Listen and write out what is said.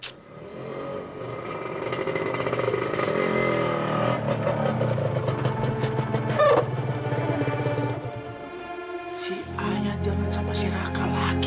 si ayah jalan sama si raka lagi